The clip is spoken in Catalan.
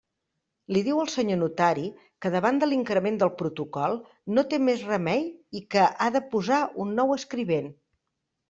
Li diu el senyor notari que davant de l'increment del protocol no té més remei i que ha de posar un nou escrivent.